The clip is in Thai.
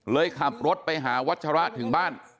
ขับรถไปหาวัชระถึงบ้าน